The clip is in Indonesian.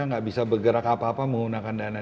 nggak bisa bergerak apa apa menggunakan dana